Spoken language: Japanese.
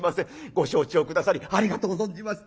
ご承知を下さりありがとう存じます。